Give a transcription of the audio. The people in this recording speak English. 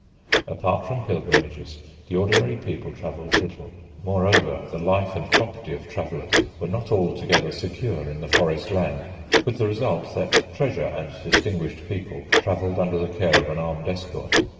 Apart from pilgrimages, the ordinary people travelled little. Moreover the life and property of travellers were not altogether secure in the forest land, with the result that treasure and distinguished people travelled under the care of an armed escort.